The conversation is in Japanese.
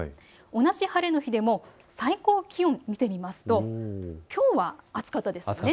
同じ晴れの日でも最高気温見てみますときょうは暑かったです。